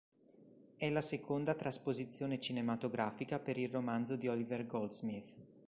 È la seconda trasposizione cinematografica per il romanzo di Oliver Goldsmith.